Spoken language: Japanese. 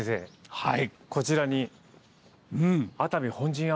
はい。